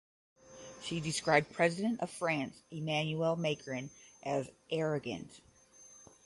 She described President of France Emmanuel Macron as "arrogant".